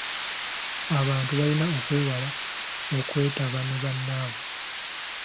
Abantu balina okwewala okwetaba ne bannaabwe.